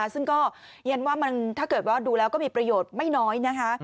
ซึ่งก็เย็นว่าถ้าเกิดว่าดูแล้วก็มีประโยชน์ไม่น้อยนะคะ